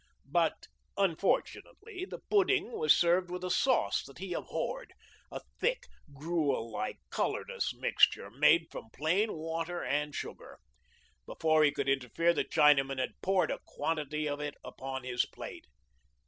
But, unfortunately, the pudding was served with a sauce that he abhorred a thick, gruel like, colourless mixture, made from plain water and sugar. Before he could interfere, the Chinaman had poured a quantity of it upon his plate.